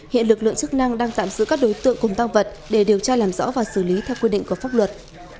hiện lực lượng chức năng đang tạm giữ các đối tượng cùng tăng vật để điều tra làm rõ và xử lý theo quy định của pháp luật